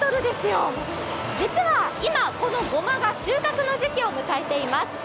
実は今、このごまが収穫の時期を迎えています。